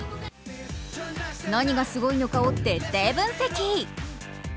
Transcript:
何がすごいのかを徹底分析。